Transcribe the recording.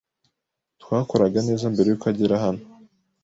Twakoraga neza mbere yuko agera hano.